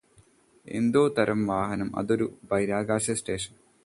എന്തോ തരം വാഹനം അതോ ഒരു ബഹിരാകാശ സ്റ്റേഷൻ